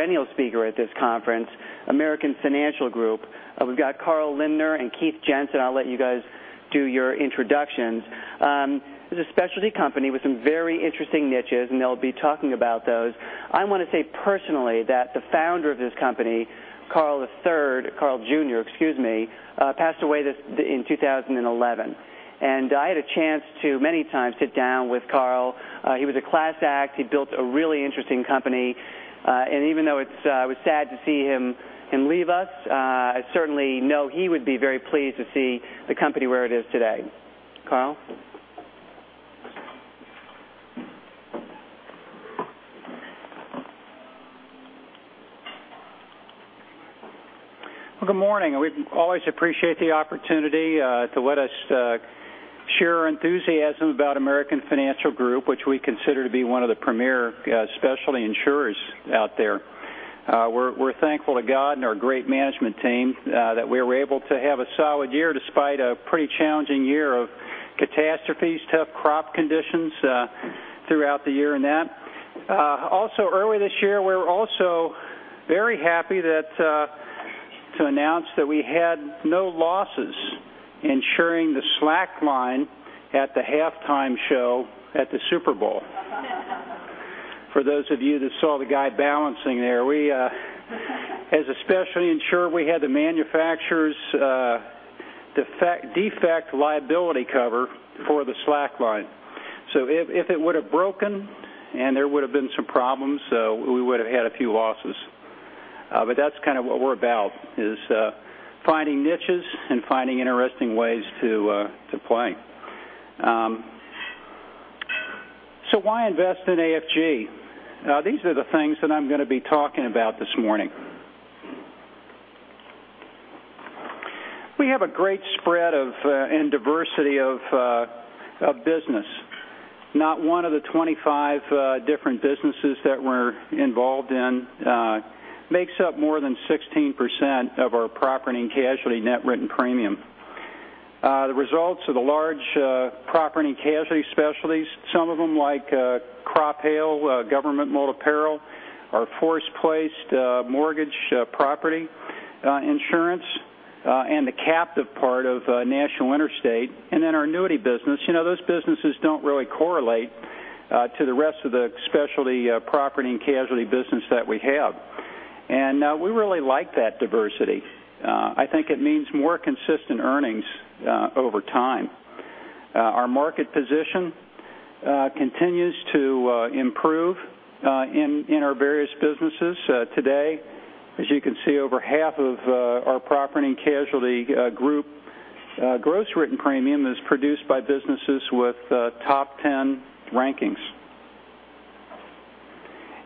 Perennial speaker at this conference, American Financial Group. We've got Carl Lindner and Keith Jensen. I'll let you guys do your introductions. This is a specialty company with some very interesting niches. They'll be talking about those. I want to say personally that the founder of this company, Carl III, Carl Jr., excuse me, passed away in 2011. I had a chance to, many times, sit down with Carl. He was a class act. He built a really interesting company. Even though it was sad to see him leave us, I certainly know he would be very pleased to see the company where it is today. Carl? Good morning. We always appreciate the opportunity to let us share our enthusiasm about American Financial Group, which we consider to be one of the premier specialty insurers out there. We're thankful to God and our great management team that we were able to have a solid year despite a pretty challenging year of catastrophes, tough crop conditions throughout the year, and that. Early this year, we're also very happy to announce that we had no losses insuring the slackline at the halftime show at the Super Bowl. For those of you that saw the guy balancing there, as a specialty insurer, we had the manufacturer's defect liability cover for the slackline. If it would've broken, and there would've been some problems, we would've had a few losses. That's kind of what we're about, is finding niches and finding interesting ways to play. Why invest in AFG? These are the things that I'm going to be talking about this morning. We have a great spread and diversity of business. Not one of the 25 different businesses that we're involved in makes up more than 16% of our property and casualty net written premium. The results of the large property and casualty specialties, some of them like crop hail, government multi-peril, our force-placed mortgage property insurance, and the captive part of National Interstate, our annuity business. Those businesses don't really correlate to the rest of the specialty property and casualty business that we have. We really like that diversity. I think it means more consistent earnings over time. Our market position continues to improve in our various businesses. Today, as you can see, over half of our property and casualty group gross written premium is produced by businesses with top 10 rankings.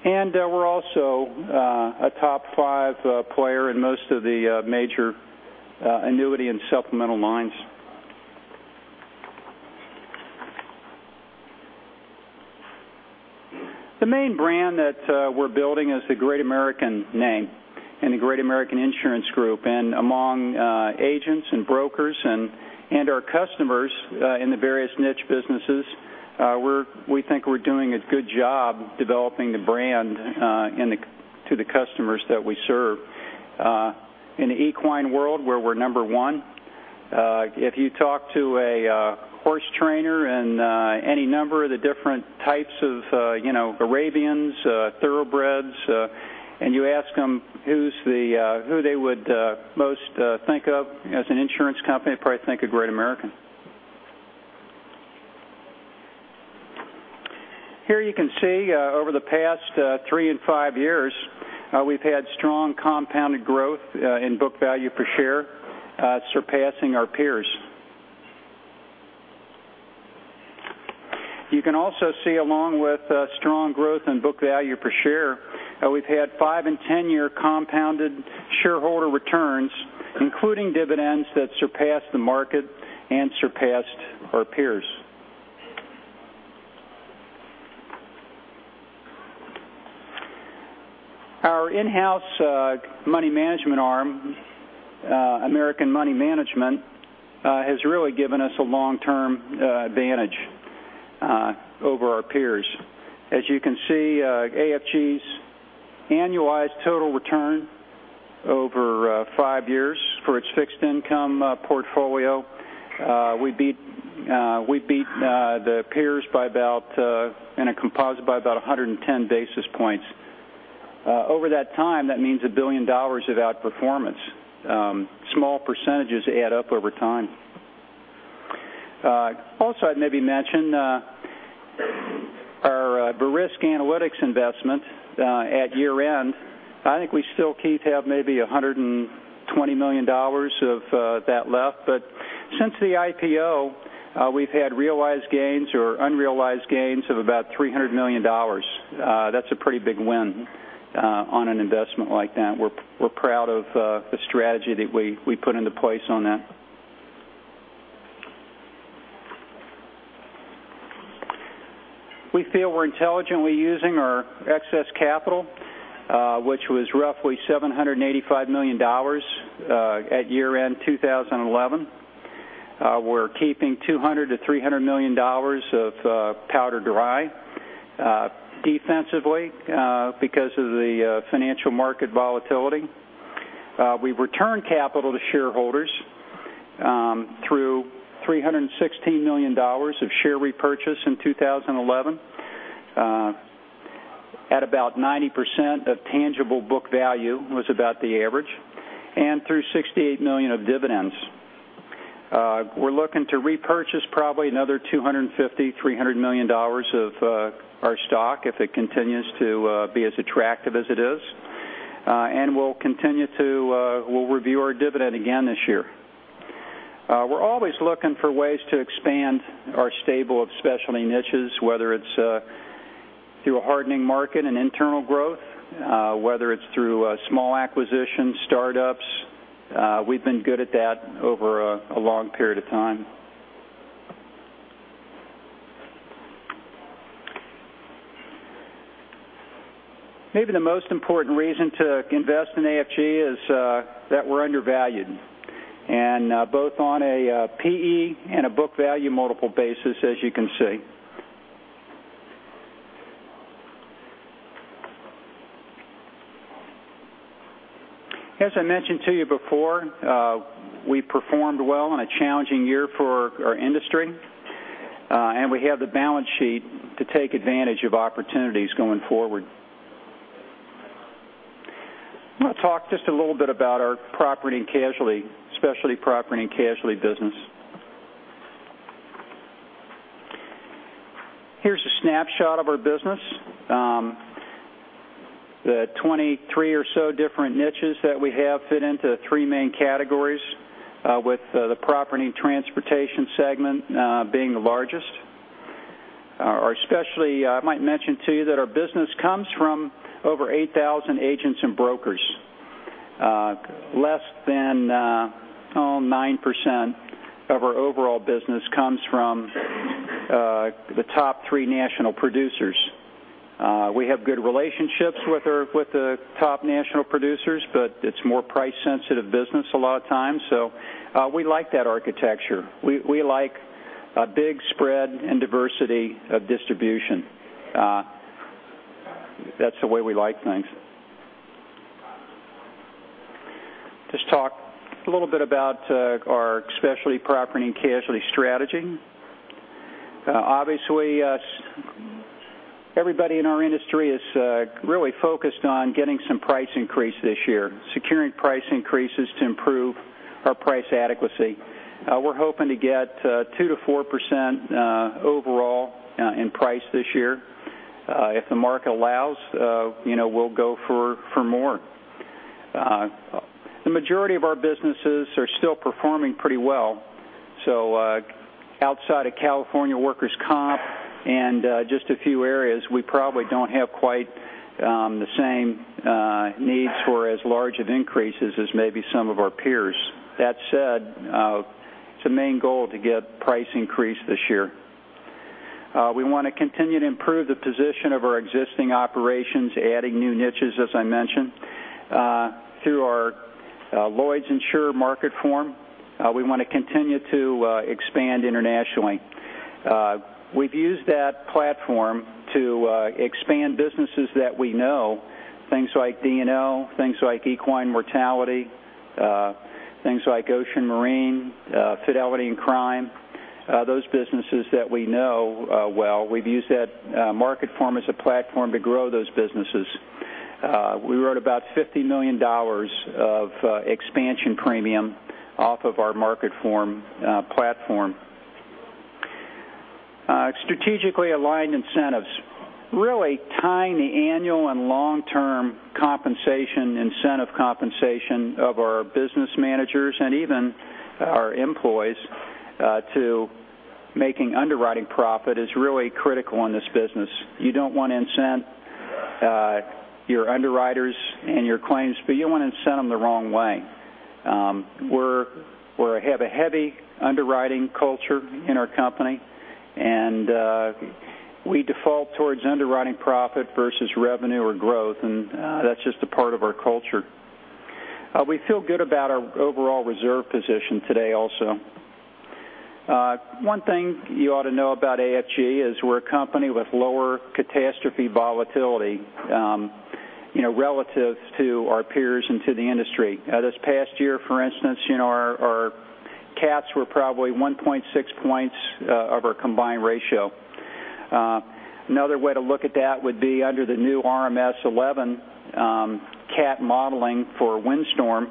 We're also a top five player in most of the major annuity and supplemental lines. The main brand that we're building is the Great American name and the Great American Insurance Group. Among agents and brokers and our customers in the various niche businesses, we think we're doing a good job developing the brand to the customers that we serve. In the equine world, where we're number one, if you talk to a horse trainer in any number of the different types of Arabians, Thoroughbreds, and you ask them who they would most think of as an insurance company, they'd probably think of Great American. Here you can see, over the past three and five years, we've had strong compounded growth in book value per share, surpassing our peers. You can also see, along with strong growth in book value per share, how we've had five and 10-year compounded shareholder returns, including dividends, that surpassed the market and surpassed our peers. Our in-house money management arm, American Money Management, has really given us a long-term advantage over our peers. As you can see, AFG's annualized total return over five years for its fixed income portfolio, we beat the peers in a composite by about 110 basis points. Over that time, that means $1 billion of outperformance. Small percentages add up over time. Also, I'd maybe mention our Verisk Analytics investment at year-end. I think we still, Keith, have maybe $120 million of that left. Since the IPO, we've had realized gains or unrealized gains of about $300 million. That's a pretty big win on an investment like that. We're proud of the strategy that we put into place on that. We feel we're intelligently using our excess capital, which was roughly $785 million at year-end 2011. We're keeping $200 million-$300 million of powder dry defensively because of the financial market volatility. We've returned capital to shareholders through $316 million of share repurchase in 2011, at about 90% of tangible book value was about the average, and through $68 million of dividends. We're looking to repurchase probably another $250 million-$300 million of our stock if it continues to be as attractive as it is. We'll review our dividend again this year. We're always looking for ways to expand our stable of specialty niches, whether it's through a hardening market and internal growth, whether it's through small acquisitions, startups. We've been good at that over a long period of time. Maybe the most important reason to invest in AFG is that we're undervalued, both on a PE and a book value multiple basis, as you can see. As I mentioned to you before, we performed well in a challenging year for our industry, and we have the balance sheet to take advantage of opportunities going forward. I'm going to talk just a little bit about our property and casualty, specialty property and casualty business. Here's a snapshot of our business. The 23 or so different niches that we have fit into three main categories, with the property and transportation segment being the largest. I might mention to you that our business comes from over 8,000 agents and brokers. Less than 9% of our overall business comes from the top three national producers. We have good relationships with the top national producers, but it's more price-sensitive business a lot of times. We like that architecture. We like a big spread and diversity of distribution. That's the way we like things. Just talk a little bit about our specialty property and casualty strategy. Obviously, everybody in our industry is really focused on getting some price increase this year, securing price increases to improve our price adequacy. We're hoping to get 2%-4% overall in price this year. If the market allows, we'll go for more. The majority of our businesses are still performing pretty well. Outside of California workers' comp and just a few areas, we probably don't have quite the same needs for as large of increases as maybe some of our peers. That said, it's a main goal to get price increase this year. We want to continue to improve the position of our existing operations, adding new niches, as I mentioned through our Lloyd's insurer Marketform. We want to continue to expand internationally. We've used that platform to expand businesses that we know, things like D&O, things like equine mortality, things like ocean marine, fidelity and crime those businesses that we know well. We've used that Marketform as a platform to grow those businesses. We wrote about $50 million of expansion premium off of our Marketform platform. Strategically aligned incentives. Really tying the annual and long-term compensation, incentive compensation of our business managers and even our employees to making underwriting profit is really critical in this business. You don't want to incent your underwriters and your claims, but you don't want to incent them the wrong way. We have a heavy underwriting culture in our company, and we default towards underwriting profit versus revenue or growth, and that's just a part of our culture. We feel good about our overall reserve position today also. One thing you ought to know about AFG is we're a company with lower catastrophe volatility relative to our peers and to the industry. This past year, for instance, our cats were probably 1.6 points of our combined ratio. Another way to look at that would be under the new RMS 11 cat modeling for windstorm,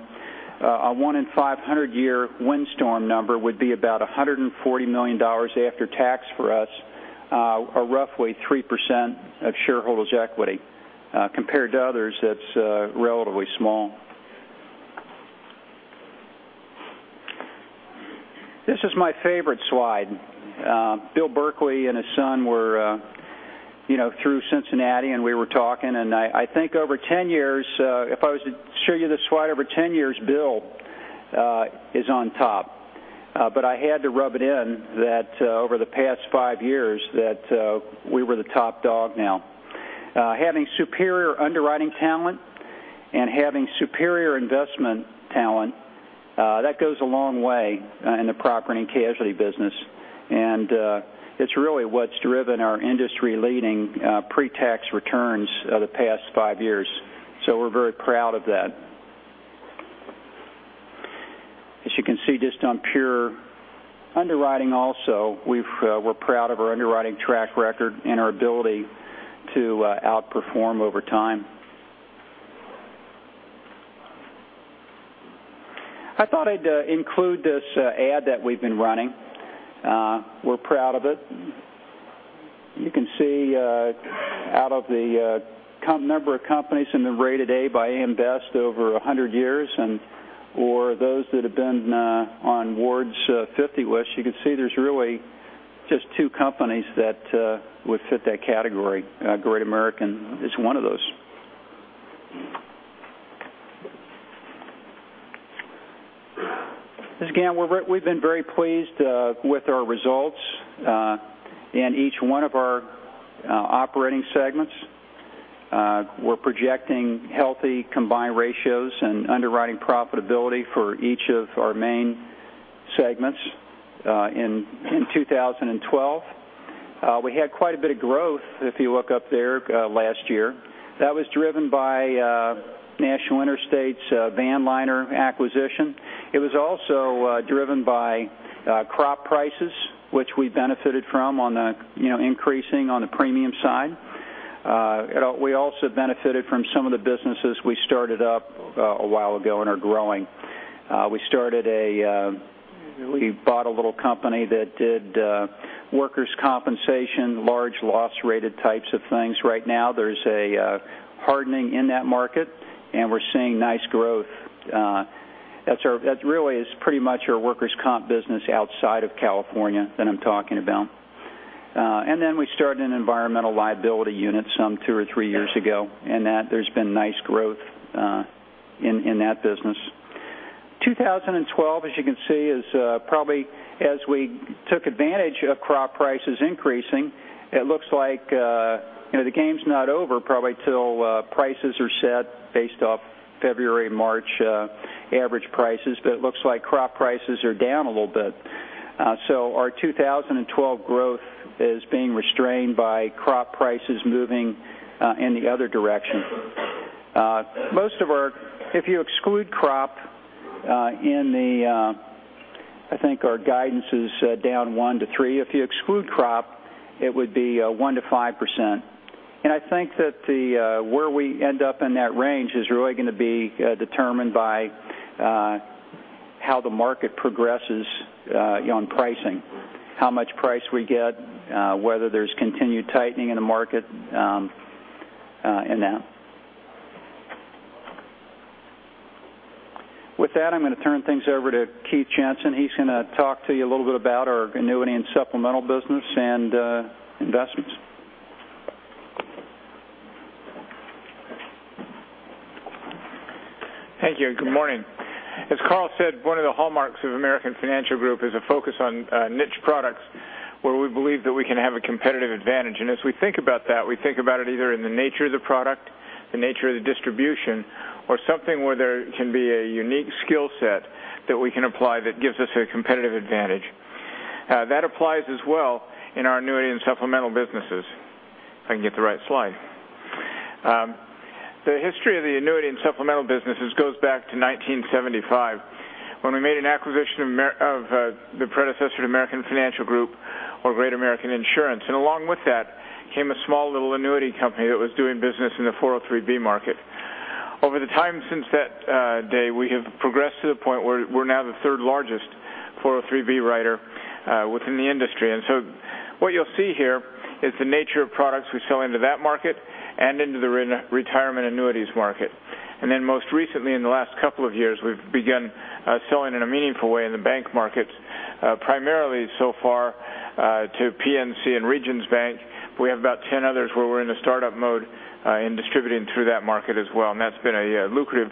a one in 500-year windstorm number would be about $140 million after tax for us, or roughly 3% of shareholders' equity. Compared to others, that's relatively small. This is my favorite slide. Bill Berkley and his son were through Cincinnati, and we were talking, and I think over 10 years, if I was to show you this slide, over 10 years, Bill is on top. But I had to rub it in that over the past five years, that we were the top dog now. Having superior underwriting talent. Having superior investment talent, that goes a long way in the property and casualty business. It's really what's driven our industry-leading pre-tax returns the past five years. We're very proud of that. You can see, just on pure underwriting also, we're proud of our underwriting track record and our ability to outperform over time. I thought I'd include this ad that we've been running. We're proud of it. You can see out of the number of companies in the rated A by AM Best over 100 years, or those that have been on Ward's 50 list, you can see there's really just two companies that would fit that category. Great American is one of those. Again, we've been very pleased with our results in each one of our operating segments. We're projecting healthy combined ratios and underwriting profitability for each of our main segments in 2012. We had quite a bit of growth, if you look up there last year. That was driven by National Interstate's Vanliner acquisition. It was also driven by crop prices, which we benefited from on increasing on the premium side. We also benefited from some of the businesses we started up a while ago and are growing. We bought a little company that did workers' compensation, large loss rated types of things. Right now, there's a hardening in that market, and we're seeing nice growth. That's really is pretty much our workers' comp business outside of California that I'm talking about. Then we started an environmental liability unit some two or three years ago, and there's been nice growth in that business. 2012, as you can see, as we took advantage of crop prices increasing, it looks like the game's not over probably till prices are set based off February, March average prices, it looks like crop prices are down a little bit. Our 2012 growth is being restrained by crop prices moving in the other direction. I think our guidance is down 1%-3%. If you exclude crop, it would be a 1% to 5%. I think that where we end up in that range is really going to be determined by how the market progresses on pricing, how much price we get, whether there's continued tightening in the market in that. With that, I'm going to turn things over to Keith Jensen. He's going to talk to you a little bit about our annuity and supplemental business and investments. Thank you, and good morning. As Carl said, one of the hallmarks of American Financial Group is a focus on niche products where we believe that we can have a competitive advantage. As we think about that, we think about it either in the nature of the product, the nature of the distribution, or something where there can be a unique skill set that we can apply that gives us a competitive advantage. That applies as well in our annuity and supplemental businesses. If I can get the right slide. The history of the annuity and supplemental businesses goes back to 1975 when we made an acquisition of the predecessor to American Financial Group or Great American Insurance. Along with that came a small little annuity company that was doing business in the 403(b) market. Over the time since that day, we have progressed to the point where we're now the third largest 403(b) writer within the industry. So what you'll see here is the nature of products we sell into that market and into the retirement annuities market. Then most recently in the last couple of years, we've begun selling in a meaningful way in the bank markets primarily so far to PNC and Regions Bank. We have about 10 others where we're in the startup mode in distributing through that market as well, and that's been a lucrative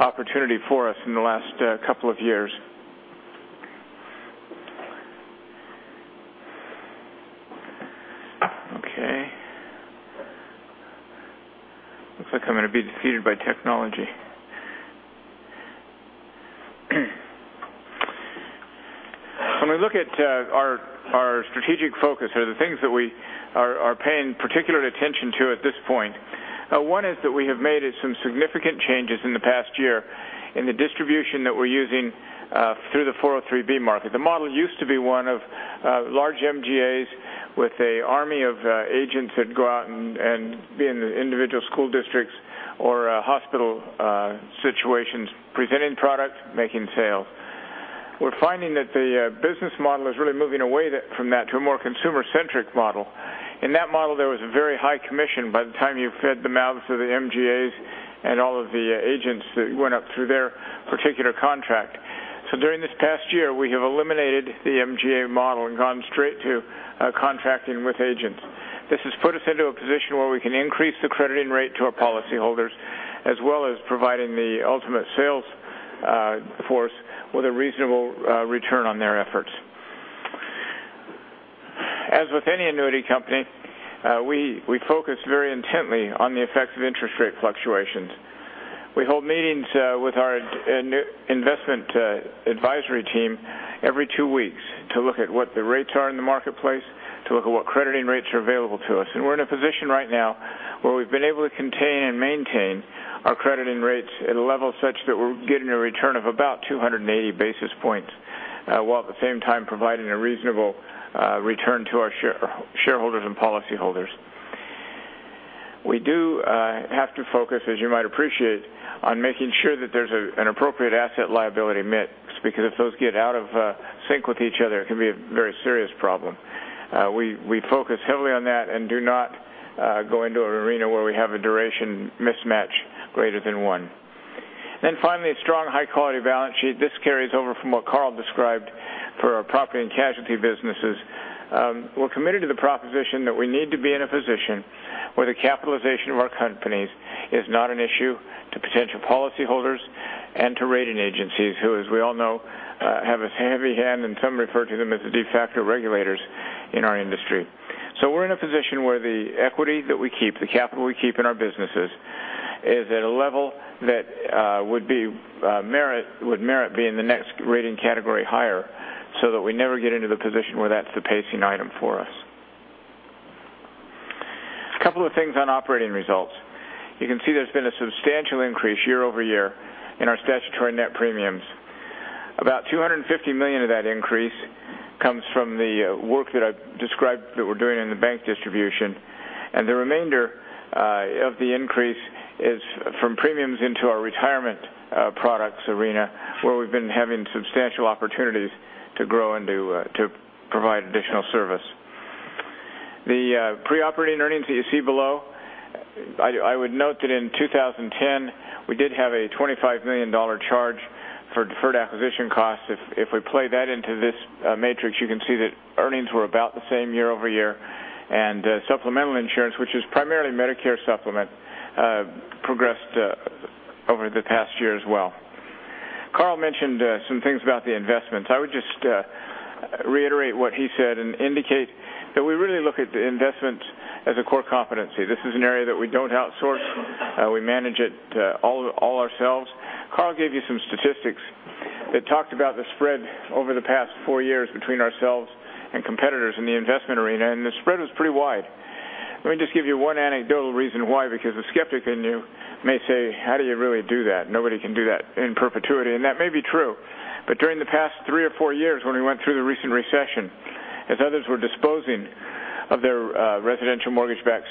opportunity for us in the last couple of years. Okay. Looks like I'm going to be defeated by technology. When we look at our strategic focus or the things that we are paying particular attention to at this point, one is that we have made some significant changes in the past year in the distribution that we're using through the 403(b) market. The model used to be one of large MGAs with an army of agents that go out and be in the individual school districts or hospital situations presenting products, making sales. We're finding that the business model is really moving away from that to a more consumer-centric model. In that model, there was a very high commission by the time you fed the mouths of the MGAs and all of the agents that went up through their particular contract. During this past year, we have eliminated the MGA model and gone straight to contracting with agents. This has put us into a position where we can increase the crediting rate to our policyholders, as well as providing the ultimate sales force with a reasonable return on their efforts. As with any annuity company, we focus very intently on the effects of interest rate fluctuations. We hold meetings with our investment advisory team every two weeks to look at what the rates are in the marketplace, to look at what crediting rates are available to us. We're in a position right now where we've been able to contain and maintain our crediting rates at a level such that we're getting a return of about 280 basis points, while at the same time providing a reasonable return to our shareholders and policyholders. We do have to focus, as you might appreciate, on making sure that there's an appropriate asset liability mix, because if those get out of sync with each other, it can be a very serious problem. We focus heavily on that and do not go into an arena where we have a duration mismatch greater than one. Finally, a strong high-quality balance sheet. This carries over from what Carl described for our property and casualty businesses. We're committed to the proposition that we need to be in a position where the capitalization of our companies is not an issue to potential policyholders and to rating agencies, who, as we all know, have a heavy hand, and some refer to them as the de facto regulators in our industry. We're in a position where the equity that we keep, the capital we keep in our businesses, is at a level that would merit being the next rating category higher, so that we never get into the position where that's the pacing item for us. A couple of things on operating results. You can see there's been a substantial increase year-over-year in our statutory net premiums. About $250 million of that increase comes from the work that I described that we're doing in the bank distribution. The remainder of the increase is from premiums into our retirement products arena, where we've been having substantial opportunities to grow and to provide additional service. The pre-operating earnings that you see below, I would note that in 2010, we did have a $25 million charge for deferred acquisition costs. If we play that into this matrix, you can see that earnings were about the same year-over-year. Supplemental insurance, which is primarily Medicare supplement, progressed over the past year as well. Carl mentioned some things about the investments. I would just reiterate what he said and indicate that we really look at the investments as a core competency. This is an area that we don't outsource. We manage it all ourselves. Carl gave you some statistics that talked about the spread over the past four years between ourselves and competitors in the investment arena. The spread was pretty wide. Let me just give you one anecdotal reason why, because the skeptic in you may say, "How do you really do that? Nobody can do that in perpetuity." That may be true, but during the past three or four years, when we went through the recent recession, as others were disposing of their residential mortgage-backed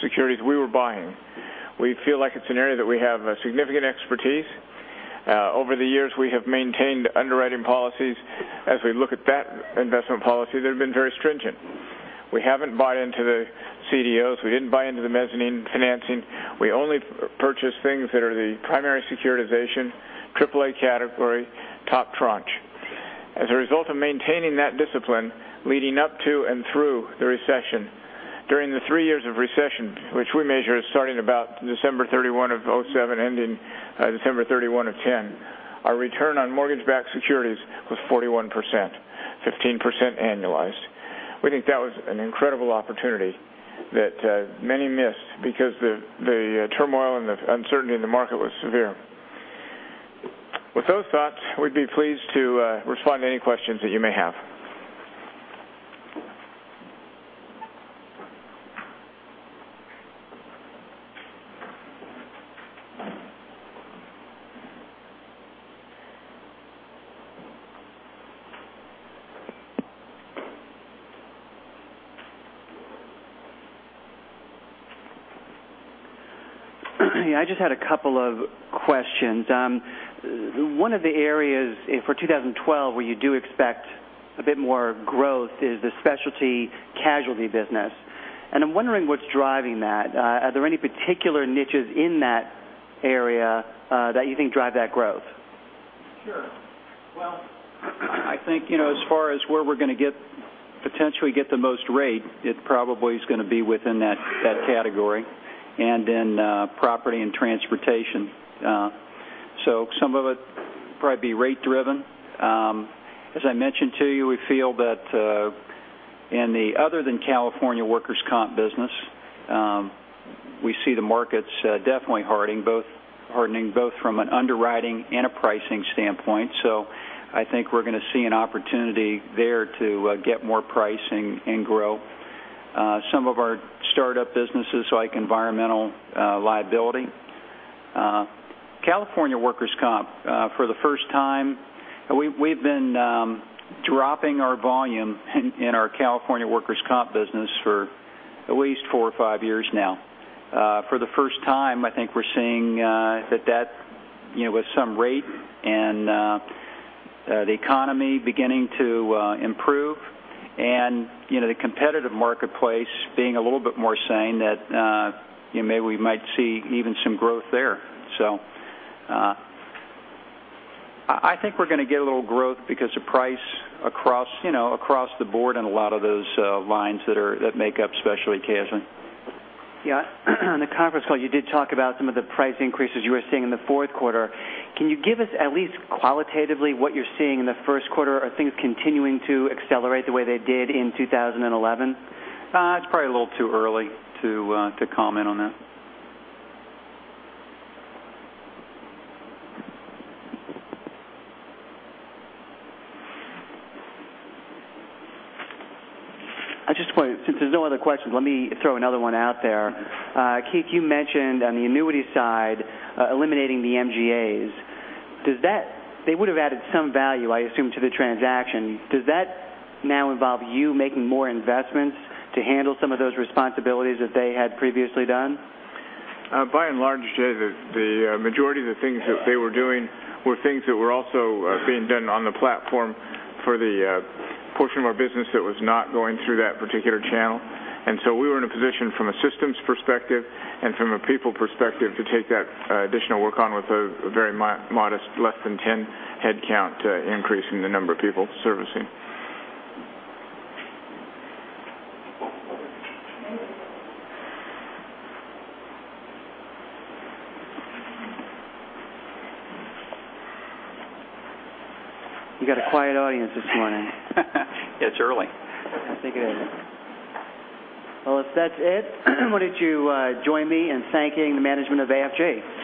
securities, we were buying. We feel like it's an area that we have significant expertise. Over the years, we have maintained underwriting policies, as we look at that investment policy, that have been very stringent. We haven't bought into the CDOs. We didn't buy into the mezzanine financing. We only purchase things that are the primary securitization, triple A category, top tranche. As a result of maintaining that discipline leading up to and through the recession, during the three years of recession, which we measure as starting about December 31 of 2007, ending December 31 of 2010, our return on mortgage-backed securities was 41%, 15% annualized. We think that was an incredible opportunity that many missed because the turmoil and the uncertainty in the market was severe. With those thoughts, we'd be pleased to respond to any questions that you may have. I just had a couple of questions. One of the areas for 2012 where you do expect a bit more growth is the Specialty Casualty business. I'm wondering what's driving that. Are there any particular niches in that area that you think drive that growth? Sure. Well, I think, as far as where we're going to potentially get the most rate, it probably is going to be within that category and in Property and Transportation. Some of it will probably be rate driven. As I mentioned to you, we feel that in the other than California workers' comp business, we see the markets definitely hardening both from an underwriting and a pricing standpoint. I think we're going to see an opportunity there to get more pricing and grow some of our startup businesses like environmental liability. California workers' comp, for the first time, we've been dropping our volume in our California workers' comp business for at least four or five years now. For the first time, I think we're seeing that with some rate and the economy beginning to improve and the competitive marketplace being a little bit more sane, that we might see even some growth there. I think we're going to get a little growth because of price across the board in a lot of those lines that make up Specialty Casualty. Yeah. In the conference call, you did talk about some of the price increases you were seeing in the fourth quarter. Can you give us at least qualitatively what you're seeing in the first quarter? Are things continuing to accelerate the way they did in 2011? It's probably a little too early to comment on that. I just want to, since there's no other questions, let me throw another one out there. Keith, you mentioned on the annuity side, eliminating the MGAs. They would have added some value, I assume, to the transaction. Does that now involve you making more investments to handle some of those responsibilities that they had previously done? By and large, Jay, the majority of the things that they were doing were things that were also being done on the platform for the portion of our business that was not going through that particular channel. So we were in a position from a systems perspective and from a people perspective to take that additional work on with a very modest, less than 10 headcount increase in the number of people servicing. You got a quiet audience this morning. It's early. I think it is. Well, if that's it, why don't you join me in thanking the management of AFG?